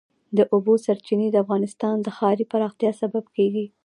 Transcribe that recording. د اوبو سرچینې د افغانستان د ښاري پراختیا سبب کېږي.